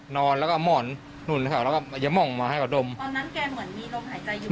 นอนแล้วก็หมอนหนุนเขาแล้วก็อย่ามองมาให้เขาดมตอนนั้นแกเหมือนมีลมหายใจอยู่